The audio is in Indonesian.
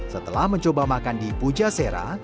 setelah mencoba makan di puja sera